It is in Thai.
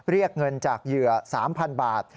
เรียกเงินจากเหยื่อ๓๐๐๐บาท